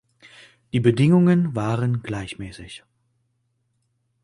Die Bedingungen waren gleichmäßig.